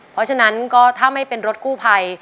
เพราะฉะนั้นก็ถ้าไม่เป็นรถกู้ภัย